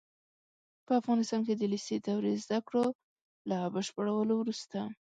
په افغانستان کې د لېسې دورې زده کړو له بشپړولو وروسته